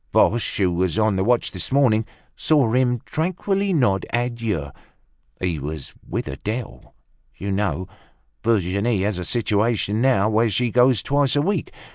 Boche, who was on the watch this morning, saw him tranquilly nod adieu. He was with Adele, you know. Virginie has a situation now, where she goes twice a week.